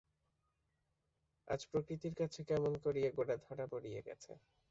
আজ প্রকৃতির কাছে কেমন করিয়া গোরা ধরা পড়িয়া গেছে।